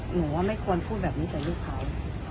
หนูว่าไม่ควรพูดแบบนี้กับลูกเขา